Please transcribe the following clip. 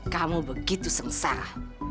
kamu begitu sengsara